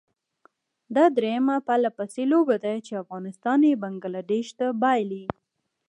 دا درېيمه پرلپسې لوبه ده چې افغانستان یې بنګله دېش ته بايلي.